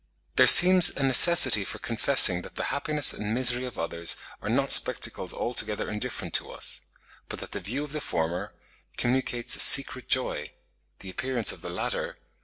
132), "There seems a necessity for confessing that the happiness and misery of others are not spectacles altogether indifferent to us, but that the view of the former...communicates a secret joy; the appearance of the latter...